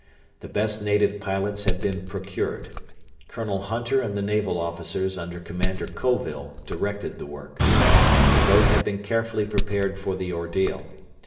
The best native pilots had been procured. Colonel Hunter and the naval officers under Commander Colville directed the work. The boat had been carefully prepared for the ordeal.